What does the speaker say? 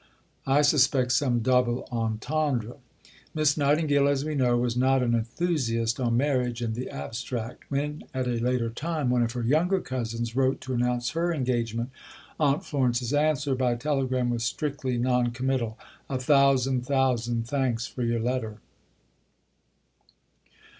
I suspect some double entendre. Miss Nightingale, as we know, was not an enthusiast on marriage in the abstract. When at a later time one of her younger cousins wrote to announce her engagement, Aunt Florence's answer (by telegram) was strictly non committal: "A thousand, thousand thanks for your letter."